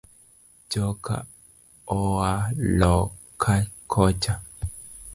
Joka oa loka kocha.